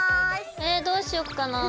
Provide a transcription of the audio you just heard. えどうしよっかなぁ。